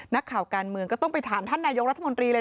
นักข่าวการเมืองก็ต้องไปถามท่านนายกรัฐมนตรีเลย